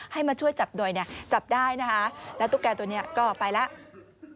มาช่วยจับหน่อยเนี่ยจับได้นะคะแล้วตุ๊กแก่ตัวนี้ก็ไปแล้ว